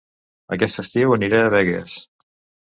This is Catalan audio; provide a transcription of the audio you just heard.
Aquest estiu aniré a Begues